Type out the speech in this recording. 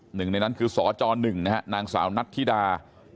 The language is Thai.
หนึ่งในนั้นคือสจ๑นะฮะนางสาวนัทธิดา